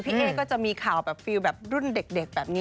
พี่เอ๊ะก็จะมีข่าวแบบรุ่นเด็กแบบนี้